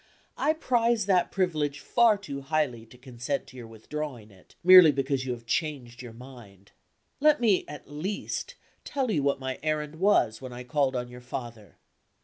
"I prize that privilege far too highly to consent to your withdrawing it, merely because you have changed your mind. Let me at least tell you what my errand was, when I called on your father.